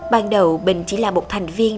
ban đầu bình chỉ là một thành viên